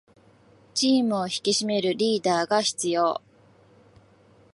チームを引き締めるリーダーが必要